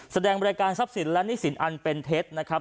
แสดงบริการทรัพย์สินและหนี้สินอันเป็นเท็จนะครับ